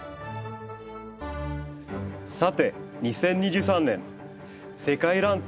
さて２０２３年世界らん展